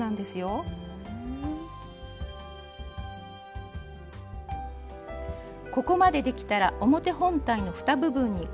ここまでできたら表本体のふた部分にコードをつけます。